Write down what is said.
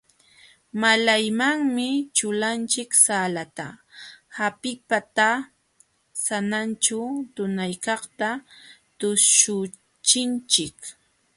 Malaymanmi ćhulanchik salata hapiqta sananćhu tunaykaqta tuśhuchinchik.